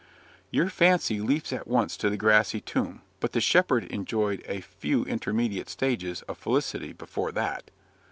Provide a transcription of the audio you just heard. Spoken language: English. '" "Your fancy leaps at once to the grassy tomb; but the shepherd enjoyed a few intermediate stages of felicity before that."